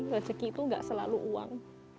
rezeki itu nggak selalu uang